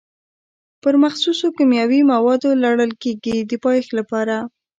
پر مخصوصو کیمیاوي موادو لړل کېږي د پایښت لپاره.